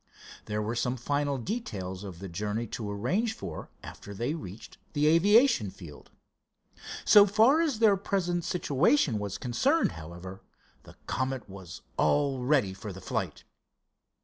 There were some final details of the journey to arrange for after they reached the aviation field. So far as their present situation was concerned, however, the Comet was all ready for the flight.